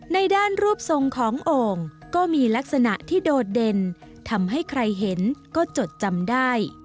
ในด้านรูปทรงของโอ่งก็มีลักษณะที่โดดเด่นทำให้ใครเห็นก็จดจำได้